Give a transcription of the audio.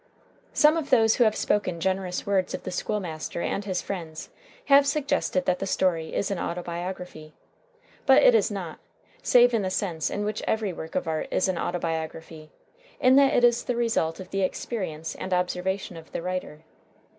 Some of those who have spoken generous words of the School master and his friends have suggested that the story is an autobiography. But it is not, save in the sense in which every work of art is an autobiography: in that it is the result of the experience and observation of the writer.